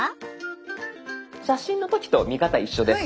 写真の時と見方一緒です。